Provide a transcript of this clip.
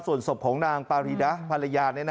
ส่วนศพของนางปารีดะภรรยา